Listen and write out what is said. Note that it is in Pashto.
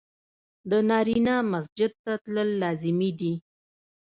د نارينه مسجد ته تلل لازمي دي.